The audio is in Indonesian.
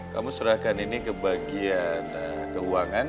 kamu serahkan ini ke bagian keuangan